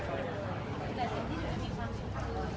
เพื่อจะเอาอะไรจากคุณ